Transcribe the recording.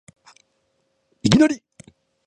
いきなり